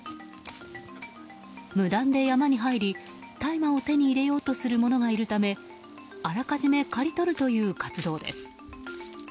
無断で山に入り、大麻を手に入れようとする者がいるためあらかじめ刈り取るという活動です。